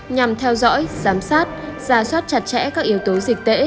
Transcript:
nhằm theo dõi giám sát giả soát chặt chẽ các yếu tố dịch tễ